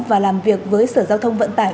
và làm việc với sở giao thông vận tải